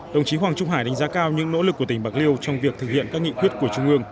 đồng chí hoàng trung hải đánh giá cao những nỗ lực của tỉnh bạc liêu trong việc thực hiện các nghị quyết của trung ương